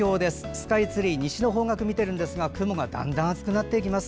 スカイツリー、西の方角ですが雲がだんだん厚くなっていきます。